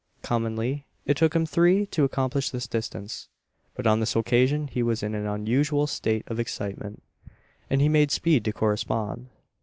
Commonly it took him three to accomplish this distance; but on this occasion he was in an unusual state of excitement, and he made speed to correspond.